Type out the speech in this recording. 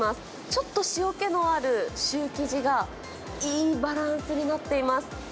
ちょっと塩気のあるシュー生地がいいバランスになっています。